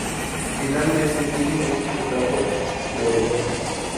Finalmente, tiene un sustrato bereber.